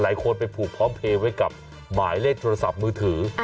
หลายคนไปผูกพร้อมเพลย์ไว้กับหมายเลขโทรศัพท์มือถือ